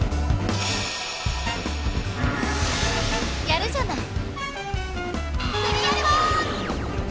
やるじゃない。